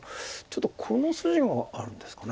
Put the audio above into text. ちょっとこの筋があるんですか。